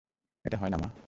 এটা হয় না, মা।